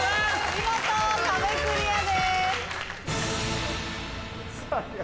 見事壁クリアです。